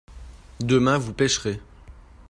demain vous pêcherez.